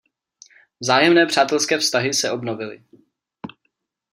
Vzájemné přátelské vztahy se obnovily.